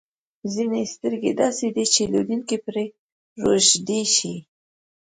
ځینې سترګې داسې دي چې لیدونکی پرې روږدی شي.